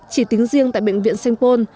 chỉ tính riêng tại bệnh viện sengpon